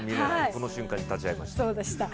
この瞬間に立ち会いました。